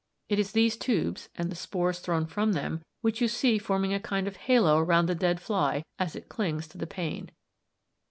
It is these tubes, and the spores thrown from them, which you see forming a kind of halo round the dead fly as it clings to the pane.